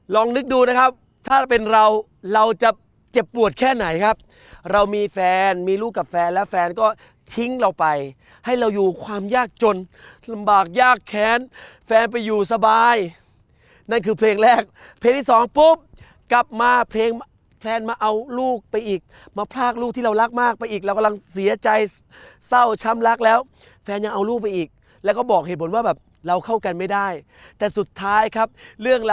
ลองนึกดูนะครับถ้าเป็นเราเราจะเจ็บปวดแค่ไหนครับเรามีแฟนมีลูกกับแฟนแล้วแฟนก็ทิ้งเราไปให้เราอยู่ความยากจนลำบากยากแค้นแฟนไปอยู่สบายนั่นคือเพลงแรกเพลงที่สองปุ๊บกลับมาเพลงแฟนมาเอาลูกไปอีกมาพรากลูกที่เรารักมากไปอีกเรากำลังเสียใจเศร้าช้ำรักแล้วแฟนยังเอาลูกไปอีกแล้วก็บอกเหตุผลว่าแบบเราเข้ากันไม่ได้แต่สุดท้ายครับเรื่อง